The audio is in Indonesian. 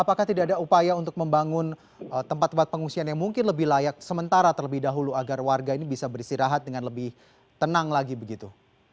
apakah tidak ada upaya untuk membangun tempat tempat pengungsian yang mungkin lebih layak sementara terlebih dahulu agar warga ini bisa beristirahat dengan lebih tenang lagi begitu